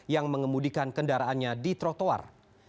yang mengemudikan kendaraannya di trotoar